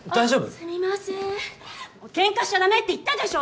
・すみませんケンカしちゃダメって言ったでしょ！